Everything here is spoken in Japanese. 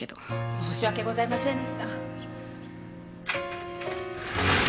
申し訳ございませんでした！